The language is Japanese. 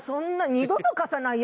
二度と貸さないよ